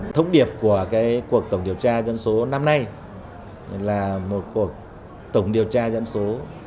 thông điệp của cuộc tổng điều tra dân số năm nay là một cuộc tổng điều tra dân số